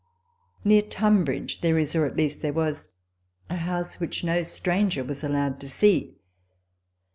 Near Tunbridge there is (at least, there was) a house which no stranger was allowed to see.